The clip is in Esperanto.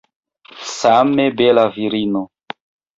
Same bela virino.